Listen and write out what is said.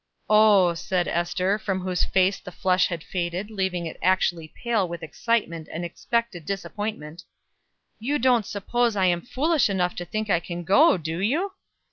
"Oh," said Ester, from whose face the flush had faded, leaving it actually pale with excitement and expected disappointment, "you don't suppose I am foolish enough to think I can go, do you?"